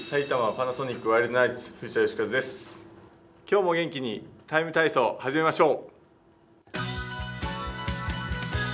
今日も元気に「ＴＩＭＥ，体操」始めましょう。